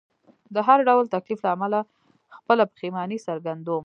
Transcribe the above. د هر ډول تکلیف له امله خپله پښیماني څرګندوم.